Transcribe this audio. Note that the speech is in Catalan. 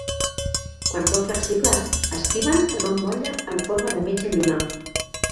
Quan són flexibles, es tiben en un motlle en forma de mitja lluna.